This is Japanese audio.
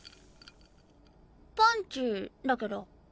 パンチだけど。